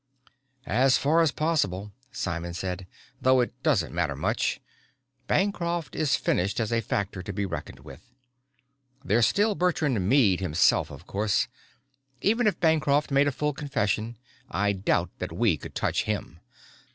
"As far as possible," Simon said. "Though it doesn't matter much. Bancroft is finished as a factor to be reckoned with. There's still Bertrand Meade himself, of course. Even if Bancroft made a full confession I doubt that we could touch him.